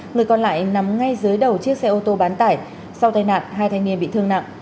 người còn lại nằm ngay dưới đầu chiếc xe ô tô bán tải sau tai nạn hai thanh niên bị thương nặng